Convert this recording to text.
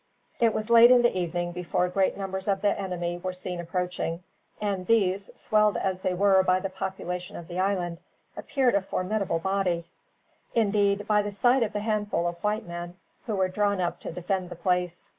It was late in the evening before great numbers of the enemy were seen approaching, and these, swelled as they were by the population of the island, appeared a formidable body, indeed, by the side of the handful of white men who were drawn up to defend the place.